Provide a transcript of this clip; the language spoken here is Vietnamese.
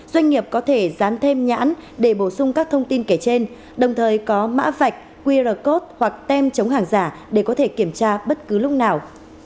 doanh nghiệp có thể dán thêm nhãn để bổ sung các thông tin kể trên đồng thời có mã vạch qr code hoặc tem chống hàng giả để có thể kiểm tra bất cứ lúc nào